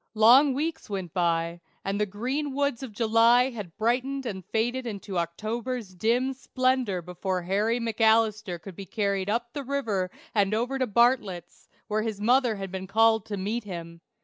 Long weeks went by, and the green woods of July had brightened and faded into October's dim splendor before Harry McAlister could be carried up the river and over to Bartlett's, where his mother had been called to meet him.